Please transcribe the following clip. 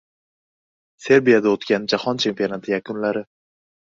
Serbiyada o‘tgan Jahon chempionati yakunlari